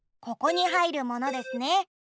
ここにはいるものですね。